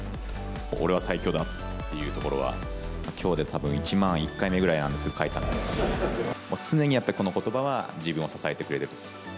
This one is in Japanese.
俺は最強だっていうところは、きょうでたぶん１万１回目くらいなんですけど、書いたんですけど、常にやっぱりこのことばは自分を支えてくれると。